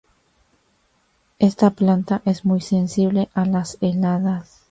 Esta planta es muy sensible a las heladas.